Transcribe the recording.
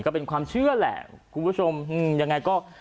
ก็เป็นความเชื่อแหละคุณผู้ชมยังไงก็